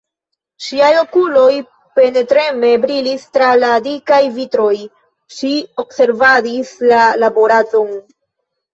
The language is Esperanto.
Ŝiaj okuloj penetreme brilis tra la dikaj vitroj: ŝi observadis la laboradon.